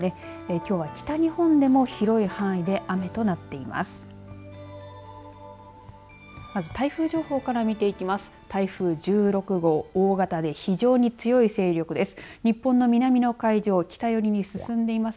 きょうは北日本でも広い範囲で雨となっています。